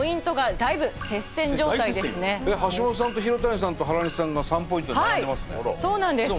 大接戦よえっ橋本さんと廣谷さんと原西さんが３ポイントで並んでますね